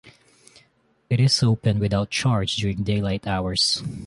It is open without charge during daylight hours.